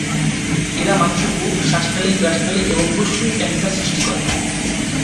এরা মানুষের মুখ, শ্বাসনালি, গ্রাসনালি এবং ফুসফুসে ক্যান্সার সৃষ্টি করে।